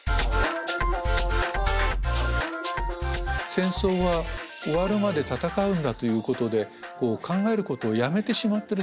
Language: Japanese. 戦争は終わるまで戦うんだということで考えることをやめてしまってる瞬間がある。